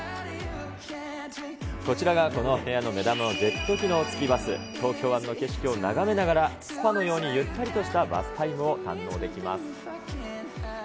こちらがこの部屋の目玉のジェット機能付きバス、東京湾の景色を眺めながら、スパのようにゆったりとしたバスタイムを堪能できます。